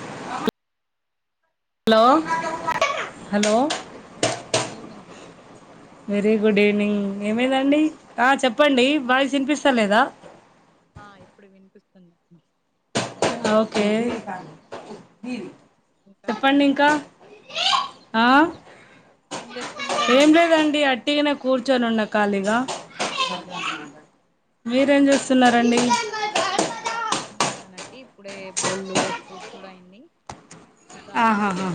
[inaudible] Hello ఆ hello good evening madam very good evening hello ఏమైందండి ఆ చెప్పండి వాయిస్ వినిపిస్తా లేదా ఆ ఇప్పుడు వినిపిస్తుంది ఓకే ఇంకా ఏం చెప్పండి ఇంకా చేస్తున్నారు ఆ ఏం ఏం చేస్తున్నారండి లేదండి అట్టిగనే కూర్చొని ఉన్న ఖాళీగా ఆ మీరేం చేస్తున్నారండి నేను ఇంకా అట్టిగనే ఉన్నానండి ఇప్పుడే బోళ్ళు తూడ్ సుడు అయింది ఇక ఆహా వంట హాహా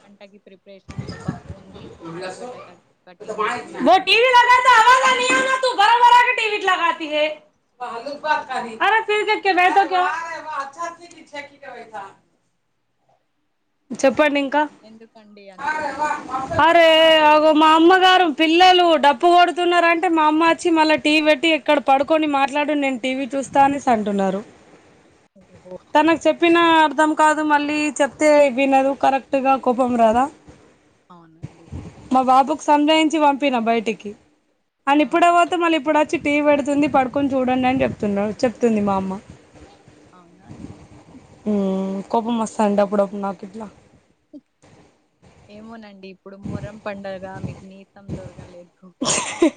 వంటకి ప్రిపరేషన్ ఇగ పప్పు ఉంది ఆలుగడ్డ కట్ కటింగ్ చేసి పెట్టుకున్నాను. చెప్పండి ఇంకా ఎందుకండి అంతగానం కోపం ఆదివారం పిల్లలు డప్పు కొడుతున్నారంటే మా అమ్మ వచ్చి మళ్ళా టీవీ పెట్టి ఇక్కడ పడుకొని మాట్లాడు నేను టీవీ చూస్తా అనేసి అంటున్నారు ఓహో తనకు చెప్పినా అర్థం కా దు మళ్ళీ చెప్తే వినదు కరెక్ట్ గా కోపం రాదా అవునండి మా బాబుకు సంజాయించి పంపిన బైటికి అని ఆహా ఇప్పుడేపోతే మళ్ళ ఇప్పుడు చ్చి టీవి పెడుతుంది పడుకొని చూడండి అని చెప్తుండు చెప్తుంది మా అమ్మ అవునా అండి ఉమ్, కోపం వస్సాండే అప్పుడప్పుడు నాకు ఇట్లా ఏమోనండి ఇప్పుడు మొహరం పండగ మీకు నీ [unintelligible] దొరకలేదు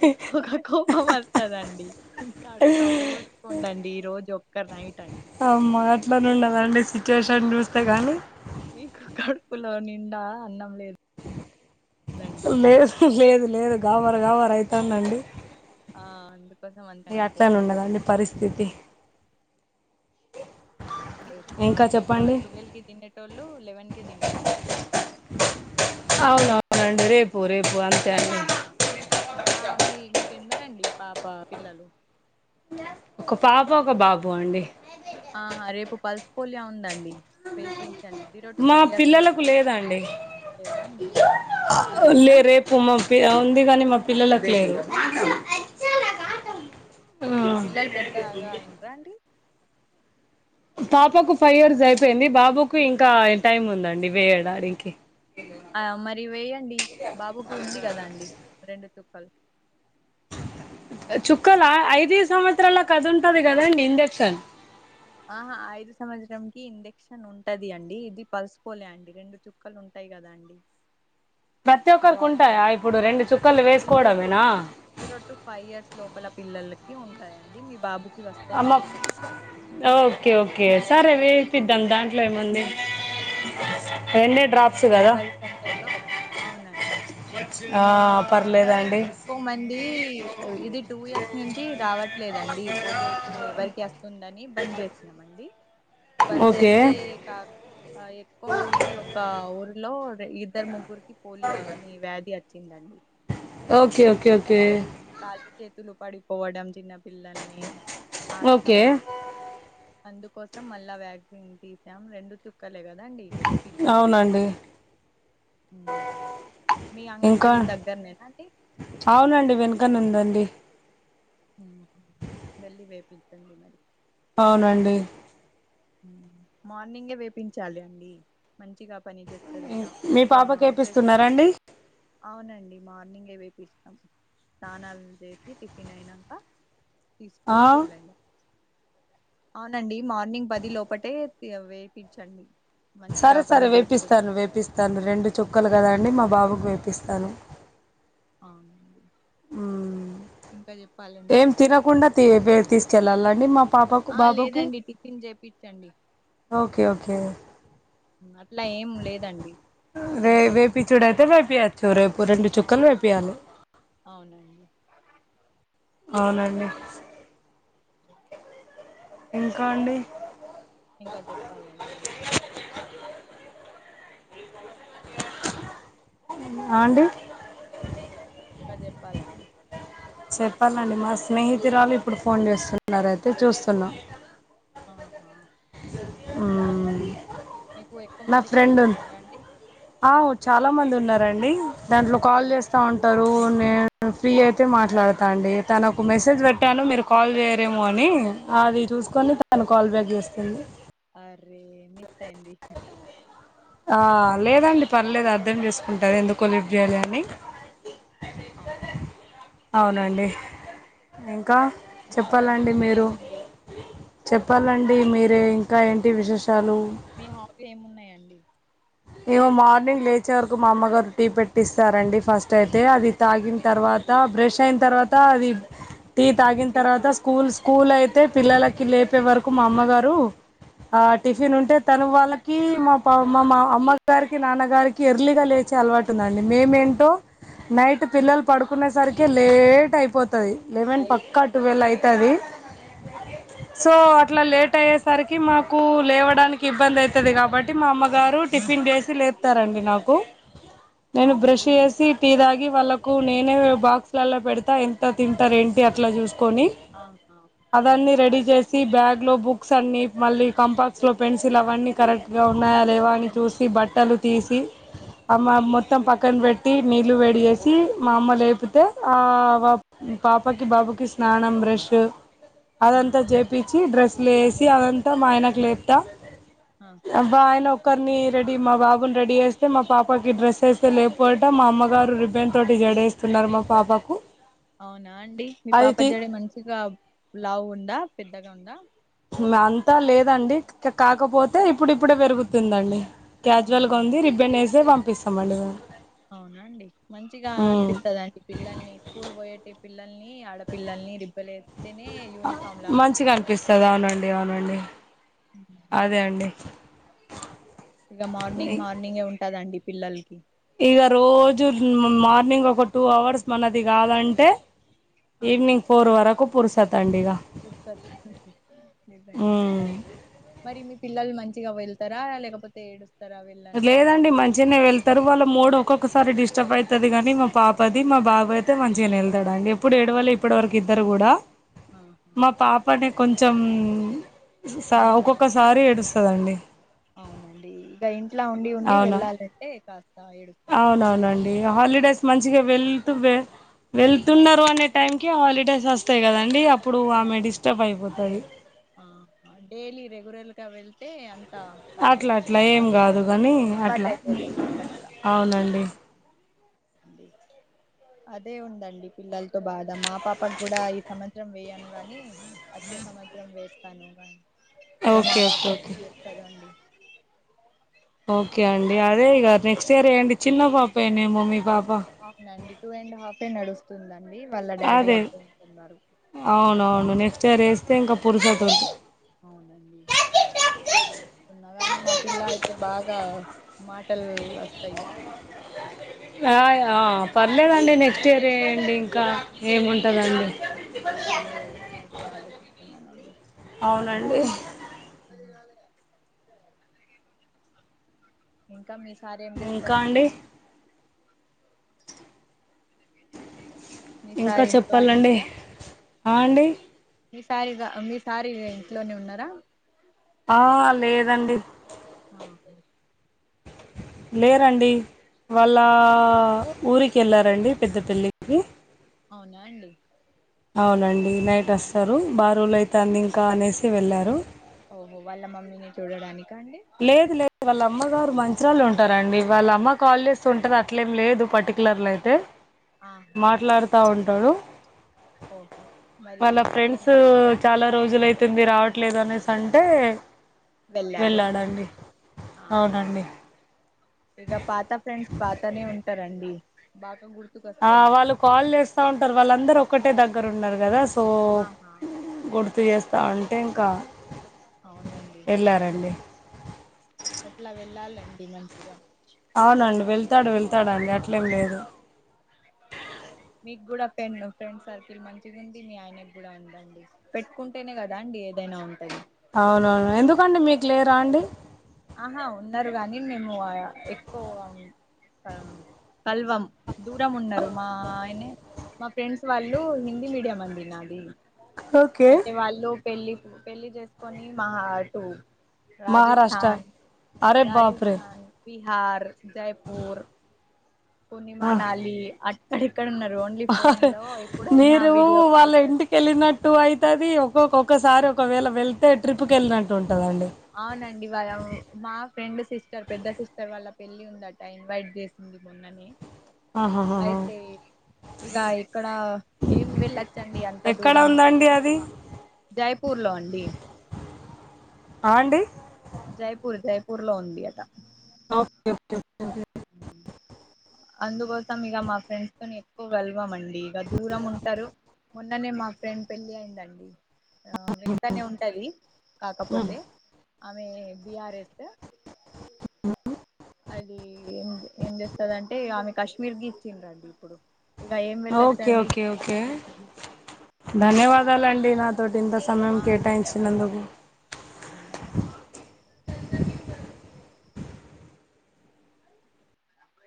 ఎక్కువగా కోపం వస్తాదండి ఇంకాస్త ఓర్పు ఉండండి ఈ రోజు నైట్ అండి అమ్మ అట్లానే ఉండదు అండి సిచ్యువేషన్ చూస్తే గానీ నీకు కడుపులో నిండా అన్నం లేదు లేదు లేదు లేదు గావర్ గావర అయితాంది అండి ఆ అందు ఇగ అట్లానే ఉండదండి పరిస్థితి [unintelligible] ఇంకా చెప్పండి ట్వెల్వ్ కి తినేటోళ్ళు లెవెన్ కి తినండి అవును అవునండి రేపు రేపు అం ఆ మీ మీకు ఎందరు అండి పా పా పిల్లలు ఒక పాప ఒక బాబు అండి ఆహా రేపు పల్స్ పోలియో ఉందండి వేపించండి జీరో టు మా ఫైవ్ ఇయర్స్ లో పిల్లలకు ఉంటారా లేదాండి లేవా అండి ఆ పెద్దోళ్ళేనా లే రేపు మా పి ఉంది కానీ మా పిల్లలకు లేదు మీ పిల్లలు పెద్దగా అయిండ్రా అండి పాపకు ఫైవ్ ఇయర్స్ అయిపోయింది బాబుకు ఇంకా టైమ్ ఉంది అండి వేయడానికి ఆ మరి వేయండి బాబుకి ఉంది కదా అండి రెండు చుక్కలు చుక్కల ఐదే సంవత్సరాల్లో కదుంటాది కదాండి ఇంజెక్షన్ అహా ఐదు సంవత్సరం కి ఇంజక్షన్ ఉంటాది అండి, ఇది పల్స్ పోలియో అండి రెండు చుక్కలు ఉంటాయ్. యే గదా అండి. ప్రతి ఒక్కరికి డ్రాప్స్ ఉంటాయా ఇప్పుడు రెండు చుక్కలు జీరో వేసుకోవడం టు మేనా జీరో టు ఫైవ్ ఇయర్స్ లోపల పిల్లలకి ఉంటాయండి మీ బాబు అమ్మా ఓకే ఓకే. సరే వేపిద్దాం దాంట్లో ఏం ఉంది. అవునండి మీ అంగన్వాడి సెంటర్లో అవునండి. ఆ, పర్లేదండి ఎక్కువ మంది ఇది టూ ఇయర్స్ నుంచి రావట్. లేదండి ఈ పోలియో ఇప్పుడు ఎవరికి అస్తుందని బంద్ జేసిన్నామండి. బంద్ ఓకే జేస్తే ఎక్కువ మందికి ఒక ఊరిలో. ఇద్దరు ముగ్గురికి పోలియో అని వ్యాధి వచ్చిందండి. Okay okay. ఓకే అది కాలు చేతులు పడిపోవడం చిన్నపిల్లల్ని. ఓకే ఆస్తమా అందుకోసం మళ్ళా వ్యాక్సిన్ తీసాం రెండు చుక్క. క్కలే గదండి వేపిచండి. అవునండి ఉమ్ మీ ఇంకా అంగన్వాడి దగ్గరనేనా అండి. ఈ వెనుకనే ఉందండి. ఉమ్ వెళ్ళీ వేపిచండి మరి. అవునండి. మార్నింగే వేపించాలి అండి మంచిగా. పని జేస్తదటా మీ పాపకి ఫ్రెష్ వేపిస్తున్నారండి అవునండి. మార్నింగే వేపిస్తాం స్నానాలు చేసి టిఫిన్ అయినంకా ఆ, తీసుకొని వెళ్ళండి అవునండి మార్నింగ్ ప ది లోపటే వేపిచండి. సరే సరే వేపిస్తాను వేపిస్తాను రెండు చుక్కలు గదా అండి మా బాబుకు వే. పిస్తాను. అవునండి ఇంకా జెప్పాలండి. టీ యే బెడ్ తీసుకెళ్ళాలండి మా. పాపకు ఆ బాబుకి లేదండి టిఫిన్ జేపిచండి ఓకే ఓకే అట్లా ఏం లేదండి తినిపే వేపిచ్చుడైతే వేపియొచ్చు రేపు రెండు చుక్కలు అవునండి వేపియాలే అవునండి అవునండి [inaudible] ఇంకా అండి ఇంకా చెప్పాలండి మీరు ఆ అండి ఇంకా జెప్పాలండి చెప్పాలండి మా స్నేహితురాలు ఇప్పుడు ఫోన్ చేస్తున్నారు అయితే చూస్తున్నాం ఆహా ఎవరండి ఉమ్ మీకు ఎక్కువ మంది ఫ్రెండ్స్ ఉన్నారా అండి ఆ చాలా మంది ఉన్నారండి దాంట్లో ఆ కాల్ జేస్తా ఉంటారు నేను ఫ్రీ అయితే మాట్లాడతా అండి తనకు మెసేజ్ పెట్టాను మీరు కాల్ జేయరేమో అని అది ఆ చూసుకొని తను కాల్ బ్యాక్ చేస్తుంది అరే మిస్ అయింది ఆ లేదండి పర్లేదు అర్థం ఎక్కడికైనా చేసుకుంటారు ఎందుకో కొనివ్వాలి అని అవును అవునండి ఇంకా ఇంకా ఏం చెప్పాలండి మీరు విశేషాలండి? చెప్పాలం డి మీరే ఇంకా ఏంటి విశేష మీ హాబీ ఏమున్నాయండి ఏమో మార్నింగ్ లేచే వరకు మా అమ్మగారు టీ పెట్టిస్తారండి ఫస్ట్ అయితే అది తాగిన తర్వా త బ్రష్ అయిన తర్వాత అది టీ తాగిన టీ తర్వాత తాగు స్కూల్ స్కూల్ అయి తే పిల్లలకి లేపే వరకు మా అమ్మగారు ఆ టిఫిన్ ఉంటే తను వాళ్ళకి మా పామ్ మా అమ్మగారికి నాన్నగారికి ఎర్లీగ లేచే అలవాటు ఉందండి మేమేంటో నైట్ పిల్లలు ఆహా పడుకునే సరికి లేట్ అయిపోతది లెవెన్ అయి పక్కా టువెల్ అయి తది సో అట్లా లేట్ అవును అయ్యేసరికి మాక్ కు లేవడానికి ఇబ్బంది అయితది కాబట్టి మా అమ్మగారు టిఫిన్ చేసి లేపుతారండి నాకు నేను అవునా బ్రష్ అండి చేసి టీ తాగి తీసి వాళ్లకు నేనే బాక్స్ లలో పెడతా ఎంత తింటారు ఏంటి అట్లా చూస్ కొని ఆహా అవన్నీ హ్మ్ రెడీ చేసి బాగ్ లో బుక్స్ అన్ని మళ్ళీ కంపాక్స్ లో పెన్సిల్ అవన్నీ కరెక్ట్ గా ఉన్నాయా లేవా అని చూసుకొని చూసి అవునండి బట్టలు తీసి అమ్మ ఆహా మొత్తం పక్కన పెట్ టి నీళ్లు వడి చేసి మా అమ్మ లేపోతే ఆ పాప్ పాపకి బాబుకి స్నానం బ్రష్ అదంతా ఆహా చేపిచ్చి డ్రెస్సులు వేసి అదంతా మా ఆయనకు లేపుతా ఆహా అబా ఆయన ఒక్కరిని రెడీ మా బాబును రెడీ చేస్తే మా పాపకి డ్రెస్ వేస్తే లేపు అంట మా అమ్మగారు రిబెన్ తోటి జడేస్తుంది ఉన్నారు మా పాపాకు అవునా అండి మీ పాప జడ మంచిగా లావు ఉందా పెద్దగా ఉందా అంతా లేదండి ఇకా కాకపోతే ఇప్పుడు ఇప్పుడే పెరుగుతుందండి క్యాజువల్ గా ఆహా ఉంది రిబెన్ వేసే పంపిస్తామండి అవునండి మంచిగా ఉమ్ అనిపిస్తదండి పిల్లల్ని స్కూల్ పోయేటి పిల్లల్ని ఆడపిల్లల్ని మీరు ఇవ్వలేరు ఆ మంచిగా అనిపిస్తది అవునండి అవునండి అదే అండి ఇంకా మార్నింగ్ మార్నింగే ఉంటదండి పిల్లలకి ఇక రోజు మార్నింగ్ ఒక టూ అవర్స్ మనది కాదంటే ఈవనింగ్ ఫోర్ వరకు పురుస్ కొట్టొద్దు నిజంగానే ఉమ్ మరి మీ పిల్లలు మం చిగా వెళ్తారా లేకపోతే ఏడుస్తారా వెళ్ళను అవి లేదండి మంచిగానే వెళ్తారు వాళ్ళ మూడు ఒక్కొక్క సారి డిస్టర్బ్ అవుతది గాని మా పాపది మా బాబు అయితే మంచిగానే వెళ్తాడుండి ఎప్పుడు ఆ, ఏడువలే ఇప్పటివరకు ఇద్దరు కూడా ఆహా మా పాపనే కొంచెం స్సే ఉమ్ ఆ ఒక్కొక్కసారి ఏడుస్ తదండి అవునండి ఇంకా ఇంట్లా ఉండి ఉండి అవునా వెళ్ళాలంటే కాస్త ఏడుస్తాడు అవునవునండి హాలిడేస్ మంచిగా వెళ్తూ వే వెళ్తున్నారు అనే టైం కి హాలిడేస్ వస్త వస్తాయి కదండి అప్పుడు ఆమె వస్తాయండి డిస్టర్బ్ అయిపోతది గొర్రెలుగా వెళ్తే అం అట్లా అట్లా ఏం కాదు కానీ అలవాటు అట్లా అయిపోతాయి అవునండి అండి అదే ఉందండి పిల్లలతో బాధ మా పాపకు కూడా ఈ సంవత్సరం వేయను గానీ వచ్చే సంవత్స ఇంకేం వేస్తాను గానీ ఇక మా ఓకే పాప ఓకే ఓకే ఏం చెప్తాదో అండి ఓకే అండి అదే ఇగ నెక్స్ట్ ఇయర్ వేయండి చిన్న పాపే నేమో మీ పాప అవునండి టూ అండ్ హాఫ్ ఏ నడుస్తుందండి వాళ్ళ డాడీ అదే అద్దు అంటున్నారు అవునవును నెక్స్ట్ ఇయర్ వేస్తే ఇంకా పురుశోతాదండి అంటే చూసుకున్నా గాని మా పిల్ల అయితే బాగా మాటలు వస్తాయి త య పర్లేదండి నెక్స్ట్ ఇయర్ ఎయండీ ఇంకా ఆ ఏముంటదండి అదే అదే ఆలోచిస్తున్నానండి అవునండి ఉమ్ ఇంకా మీ సార్ ఏం ఇంకా చేస్తారండి అండి మీ ఇంకా సార్ ఇంట్లోనే చెప్పాలండి ఉన్నారా ఆ అండి మీ సార్ ఇగ మీ సార్ ఇగ ఇంట్లోనే ఉన్నారా ఆ లేదండి ఆ ఒకే లేరండి వాళ్ళ ఊరికి వెళ్ళారండి పెద్ద పెళ్ళికి అవునా అండి అవునండి నైట్ వస్తారు బారువులు అయితంది ఇంకా అనేసి వెళ్ళారు ఓహో వాళ్ళ మమ్మీని చూడడానిక అండి లేదు లేదు వాళ్ళ అమ్మ గారు మంచరాళ్ళు ఉంటారండి వాళ్ళ అమ్మ కాల్ చేస్త ఉంటది అట్లేం లేదు పర్టికులర్ లో అయితే ఆహా మాట్లాడుతా ఉంటాడు ఓహో మరి వాళ్ళ ఒట్టిగానే ఫ్రెండ్స్ వెళ్ళారా చాలా రోజులు అయితుంది రావట్లేదు అనేసి అంటే వెళ్ళారు వెళ్ళాడండి ఆహా అవునండి ఇక పాత ఫ్రెండ్స్ పాతనే ఉంటారండి బాగా గుర్ ఆ వాళ్ళు కాల్ చేస్తా ఉంటారు వాళ్ళ అందరూ ఒక్కటే దగ్గర ఉన్నారు కదా సో ఆహా గుర్తు చేస్తా అంటే ఇంకా అవునండి ఎళ్లారండి అట్లా వెళ్ళాలండి మంచిగా తాడు వెళ్తాడండి అట్లేం లేదు మీకు కూడా పెన్ను ఫ్రెండ్ సర్కిల్ మంచిగా ఉంది మీ ఆయనకి కూడా ఉందండి పెట్టుకుంటేనే కదా అండి ఏదైనా ఉంటాది అవునవును ఎందుకండి మీకు లేరా అండి ఆహా ఉన్నారు గాని మేము ఎక్కువగా ఉన్ కల్వం కల్వం దూరం ఉన్నారు మా ఆయనే మా ఫ్రెండ్స్ వాళ్ళు హిందీ మీడియం అండి నాది ఓకే అయితే వాళ్ళు పెళ్లి పెళ్లి చేసుకొని మహా టూ రాజస్ మహారాష్ట్ర స్థాన్ అరే బాప్రే రాజస్థన్ బిహార్ జయపూర్ ఆ అక్కడెక్కడ ఉన్నారు ఓన్లీ ఫోన్ లో ఎప్పుడైనా మీరు వీడియో వాళ్ళ కాల్స్ ఇంటికేళ్ళినట్టు టూ అయితది ఒక్కొక్కొక్కసారి ఒకవేళ వెళ్తే ట్రిప్కి వెళ్ళినట్టు ఉంన్ అవునండి వాళ్ళము మా ఫ్రెండ్ సిస్టర్ పెద్ద సిస్టర్ వాళ్ల పెళ్ళి ఉందట ఇన్వైట్ చేసింది మొన్ననే ఆహా అయితే ఏమి ఇక ఇక్కడ ఏం వెళ్ళచ్చండి అంత ఎక్కడ దూరం ఉందండి ఉహు అది ప జై పూర్లో అండి ఆ అండి జైపూర్ జైపూర్ లో ఉంది అట ఆ ఓకే ఒకే ఊ అందుకోసం ఇగ మా ఫ్రెండ్స్ తోని ఎక్కువ వెల్వమండి ఇగ దూరం ఉంటరు మొన్ననే మా ఫ్రెండ్ పెళ్ళి అయిందండి ఆ వెంటనే ఉంటది కాకపోతే అమె బిఆర్ఎస్సు అదీ ఏం ఏం జేస్తదం టే ఆమె కశ్మీర్ గీ ఇచ్చిండ్రండి ఇప్పుడు ఇక ఏం ఆ ఓకే వెళ్ళొచ్చండి ఓకే ఓకే కాశ్మీర్కి ధన్యవాదాలండి నా తోటి ఇంత సమయం కేటాయించినందుకు ఆ ధన్యవాదాలండి